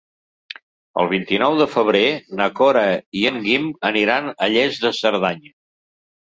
El vint-i-nou de febrer na Cora i en Guim aniran a Lles de Cerdanya.